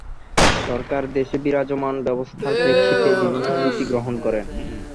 সরকার দেশে বিরাজমান ব্যবস্থার প্রেক্ষিতে বিভিন্ন নীতি গ্রহণ করেন।